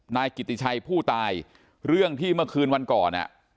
นายกิติชัยผู้ตายเรื่องที่เมื่อคืนวันก่อน